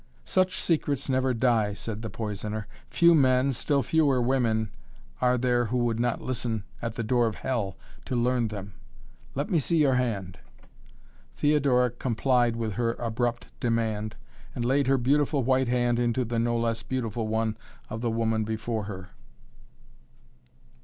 "Such secrets never die," said the poisoner. "Few men, still fewer women, are there who would not listen at the door of Hell to learn them. Let me see your hand!" Theodora complied with her abrupt demand and laid her beautiful white hand into the no less beautiful one of the woman before her.